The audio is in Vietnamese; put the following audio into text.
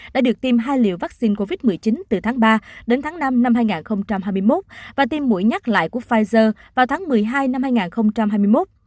đã được tiêm hai liều vaccine covid một mươi chín từ tháng ba đến tháng năm năm hai nghìn hai mươi một và tiêm mũi nhắc lại của pfizer vào tháng một mươi hai năm hai nghìn hai mươi một